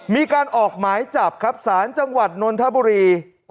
มีการออกหมายจับครับศาลจังหวัดนนทบุรี